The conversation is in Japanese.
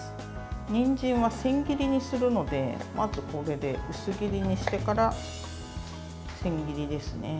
にんじんは千切りにするのでまず、薄切りにしてから千切りですね。